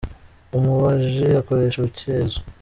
umubaji akoresha urucyezo